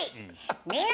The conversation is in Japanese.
みんな！